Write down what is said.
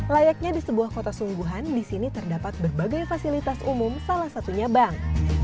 layaknya di sebuah kota sungguhan di sini terdapat berbagai fasilitas umum salah satunya bank